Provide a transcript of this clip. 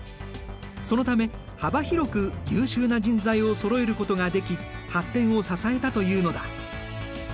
そのため幅広く優秀な人材をそろえることができ発展を支えたというのだ。